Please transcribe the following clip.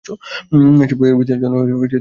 সে প্রতিবেশীদের জন্য একটা আপদ ছিল।